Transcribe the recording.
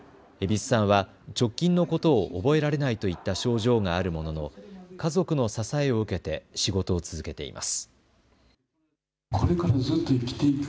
蛭子さんは直近のことを覚えられないといった症状があるものの、家族の支えを受けて仕事を続けています。